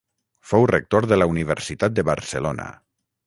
Fou rector de la Universitat de Barcelona.